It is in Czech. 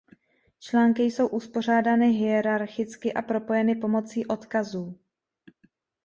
Články jsou uspořádány hierarchicky a propojeny pomocí odkazů.